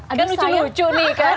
itu kan lucu lucu nih kan